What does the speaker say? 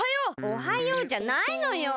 「おはよう」じゃないのよ！